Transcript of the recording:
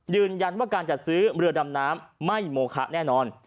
ยืนยันว่าการจัดซื้อเรือดำน้ำไม่โมคะแน่นอน